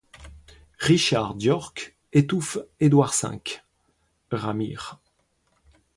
Richard d'York étouffe Édouard cinq ; Ramire